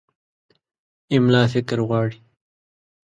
املا فکر غواړي.